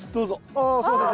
ああすいません。